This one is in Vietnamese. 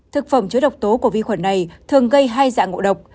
thực phẩm chứa độc tố của vi khuẩn này thường gây hai dạng ngộ độc